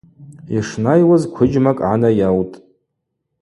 Йшнайуаз квыджьмакӏ гӏанайаутӏ.